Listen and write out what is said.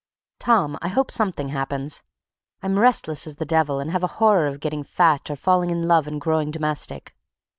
Tom, I hope something happens. I'm restless as the devil and have a horror of getting fat or falling in love and growing domestic.